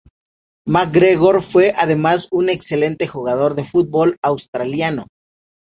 McGregor fue además un excelente jugador de fútbol australiano.